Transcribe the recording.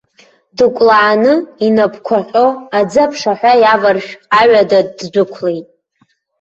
Дыкәлааны, инапқәа ҟьо, аӡы аԥшаҳәа иаваршә аҩада ддәықәлеит.